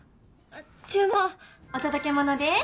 注文！お届け物です。